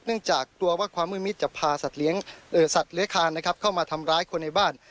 จากกลัวว่าความมืดมิดจะพาสัตว์เลื้อยคานเข้ามาทำร้ายคนในบ้าน